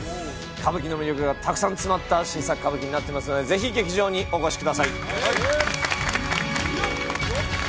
歌舞伎の魅力がたくさん詰まった新作歌舞伎になっていますのでぜひ劇場にお越しください